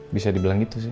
bisa dibilang gitu sih